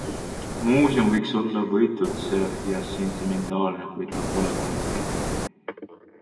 Muuseum võiks olla võidutsev ja sentimentaalne, kui ta pole kumbagi.